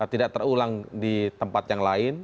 tidak terulang di tempat yang lain